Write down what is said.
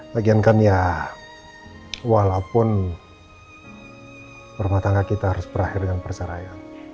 bagian kan ya walaupun rumah tangga kita harus berakhir dengan perseraian